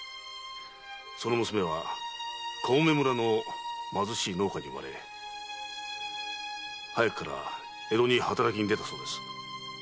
その娘は小梅村の貧しい農家に生まれ早くから江戸に働きに出たそうです。